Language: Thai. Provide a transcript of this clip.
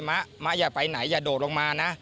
มะมะอย่าไปไหนอย่าโดดลงมานะ